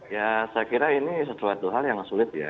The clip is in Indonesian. ya saya kira ini sesuatu hal yang sulit ya